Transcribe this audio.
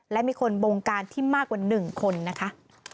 และมีคนบงการที่มากกว่า๑คนนะคะ